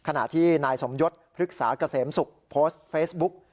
ขณะที่นายสมยศพฤกษาเกษมศุกร์โพสต์เฟซบุ๊ก